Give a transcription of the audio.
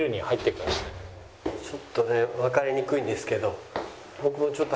ちょっとねわかりにくいんですけど。